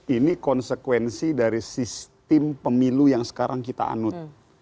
ini konsekuensi dari sistem pemilu yang sekarang kita anut